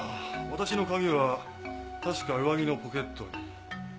私の鍵は確か上着のポケットに。